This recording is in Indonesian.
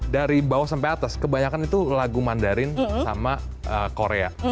dari bawah sampai atas kebanyakan itu lagu mandarin sama korea